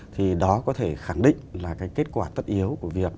thì đó có thể khẳng định là cái kết quả tất yếu